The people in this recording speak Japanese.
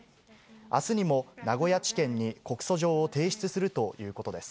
あすにも名古屋地検に告訴状を提出するということです。